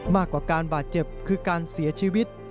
มากกว่าการบาดเจ็บคือการเสียชีวิต